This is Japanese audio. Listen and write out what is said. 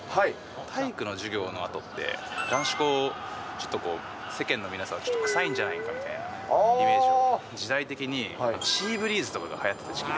体育の授業のあとって、男子校、ちょっとこう、世間の皆さんはちょっと臭いんじゃないかみたいなイメージを、時代的に、シーブリーズとかがはやってた時期で。